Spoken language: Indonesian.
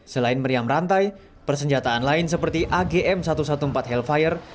selain meriam rantai persenjataan lain seperti agm satu ratus empat belas helfire